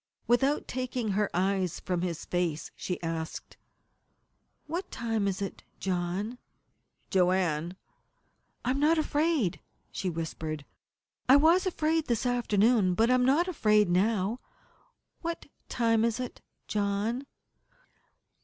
Without taking her eyes from his face she asked: "What time is it. John?" "Joanne " "I am not afraid," she whispered. "I was afraid this afternoon, but I am not afraid now. What time is it, John?"